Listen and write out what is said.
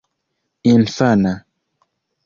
infana